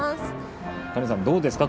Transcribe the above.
カレンさんどうですか？